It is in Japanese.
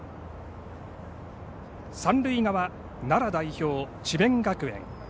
三塁側、奈良代表、智弁学園。